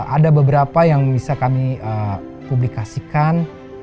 ada beberapa yang bisa kami publikasikan